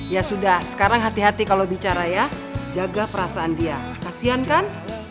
ya sudah sekarang hati hati kalau bicara ya jaga perasaan dia kasian kan